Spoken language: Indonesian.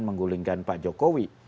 menggulingkan pak jokowi